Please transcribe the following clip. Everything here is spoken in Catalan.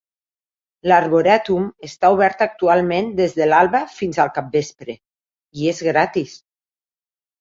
L'Arboretum està obert actualment des de l'alba fins el capvespre, i és gratis.